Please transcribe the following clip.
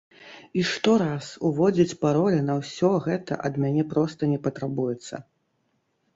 І штораз уводзіць паролі на ўсё гэта ад мяне проста не патрабуецца.